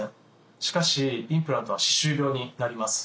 しかしインプラントは歯周病になります。